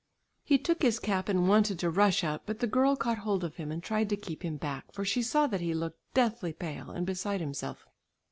He took his cap and wanted to rush out, but the girl caught hold of him and tried to keep him back for she saw that he looked deathly pale and beside himself.